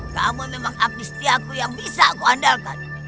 kamu memang abdi setiaku yang bisa aku andalkan